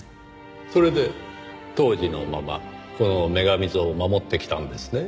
それで当時のままこの女神像を守ってきたんですね。